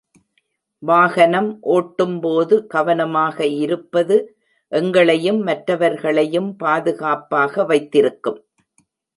வாகனம் ஓட்டும்போது கவனமாக இருப்பது எங்களையும் மற்றவர்களையும் பாதுகாப்பாக வைத்திருக்கும்.